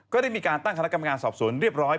ก็ได้มีการตั้งคณะกรรมการสอบสวนเรียบร้อย